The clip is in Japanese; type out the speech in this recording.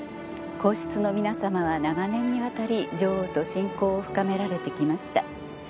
皇室の皆さまは長年にわたり女王と親交を深められて来ました。